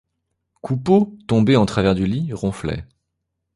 Coupeau, tombé en travers du lit, ronflait.